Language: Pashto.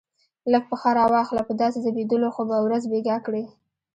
لږ پښه را واخله، په داسې ځبېدلو خو به ورځ بېګا کړې.